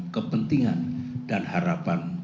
kepentingan dan harapan